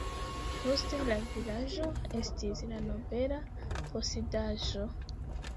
Poste la vilaĝo estis la nobela posedaĵo.